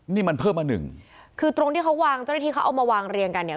นี่มันเพิ่มมาหนึ่งคือตรงที่เขาวางเจ้าหน้าที่เขาเอามาวางเรียงกันเนี่ย